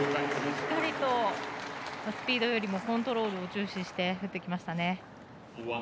しっかりとスピードよりもコントロールを重視して打ってきましたね。